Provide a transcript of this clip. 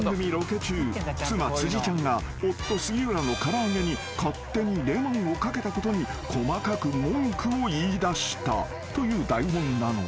中妻辻ちゃんが夫杉浦の唐揚げに勝手にレモンをかけたことに細かく文句を言いだしたという台本なのだ］